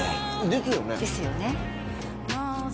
ですよね。ね？